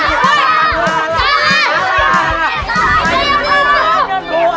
ada podia juga l template ada